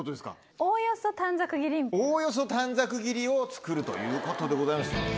おおよそ短冊切りを作るということでございます。